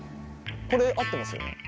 これ合ってますよね？